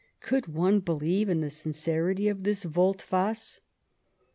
Could one believe in the sin cerity of this volte face